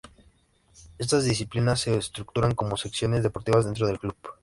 Estas disciplinas se estructuran como secciones deportivas dentro del club.